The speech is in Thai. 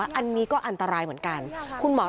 ลองไปดูบรรยากาศช่วงนั้นนะคะ